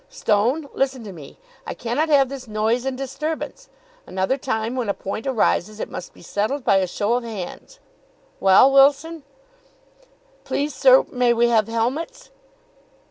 Stone, listen to me. I cannot have this noise and disturbance! Another time when a point arises it must be settled by a show of hands. Well, Wilson?" "Please, sir, may we have helmets?"